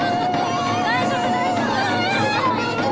・大丈夫大丈夫！